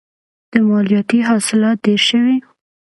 د مالټې حاصلات ډیر شوي؟